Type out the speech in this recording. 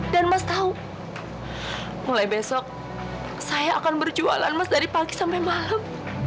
dan mas tahu mulai besok saya akan berjualan mas dari pagi sampai malam